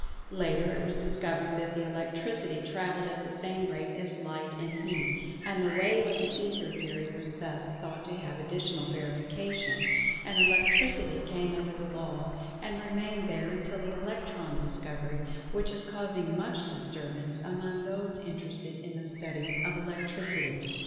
Later it was discovered that the Electricity travelled at the same rate as Light and Heat, and the Wave of the Ether theory was thus thought to have additional verification, and Electricity came under the Law and remained there until the Electron discovery, which is causing much disturbance, among those interested in the study of Electricity.